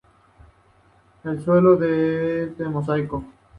El suelo es de mosaico.